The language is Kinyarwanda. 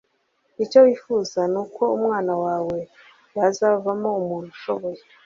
Icyo wifuza ni uko umwana wawe yazavamo umuntu ushoboye